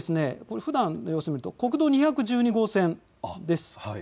左側はふだんの様子を見ると国道２１２号線です。